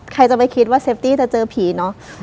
ใครจะไปคิดว่าเซฟตี้จะเจอผีเนอะ